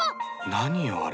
何よあれ。